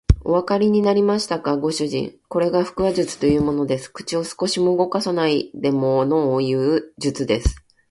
おわかりになりましたか、ご主人。これが腹話術というものです。口を少しも動かさないでものをいう術です。